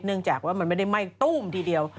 จากว่ามันไม่ได้ไหม้ตู้มทีเดียว